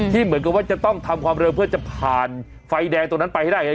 เหมือนกับว่าจะต้องทำความเร็วเพื่อจะผ่านไฟแดงตรงนั้นไปให้ได้เห็น